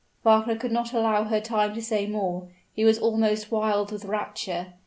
Wagner could not allow her time to say more: he was almost wild with rapture!